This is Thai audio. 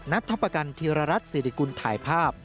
นัททัพประกันธิรรรรษสิริกุลถ่ายภาพ